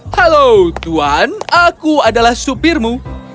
halo tuan aku adalah supirmu